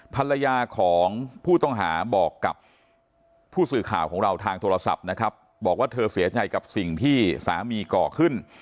ภรรยาของผู้ต้องหาบอกกับผู้สื่อข่าวของเราทางโทรศัพท์นะครับบอกว่าเธอเสียใจกับสิ่งที่สามีก่อขึ้น